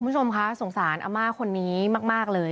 คุณผู้ชมคะสงสารอาม่าคนนี้มากเลย